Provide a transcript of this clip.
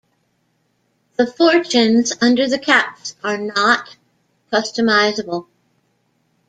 The fortunes under the caps are not customizable.